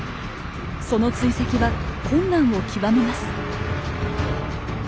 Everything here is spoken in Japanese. その追跡は困難を極めます。